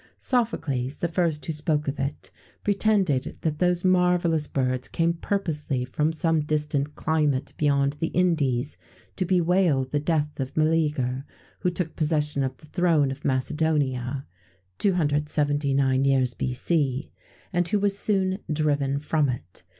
Sophocles, the first who spoke of it, pretended that those marvellous birds came purposely from some distant climate beyond the Indies, to bewail the death of Meleager, who took possession of the throne of Macedonia (279 years B.C.), and who was soon driven from it.